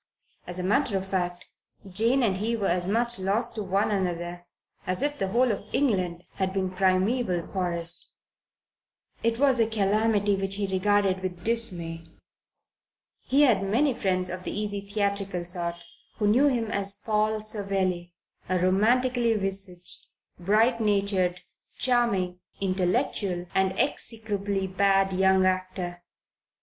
As a matter of fact Jane and he were as much lost to one another as if the whole of England had been primaeval forest. It was a calamity which he regarded with dismay. He had many friends of the easy theatrical sort, who knew him as Paul Savelli, a romantically visaged, bright natured, charming, intellectual, and execrably bad young actor.